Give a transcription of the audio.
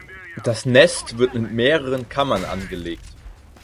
Das Nest wird mit mehreren Kammern angelegt.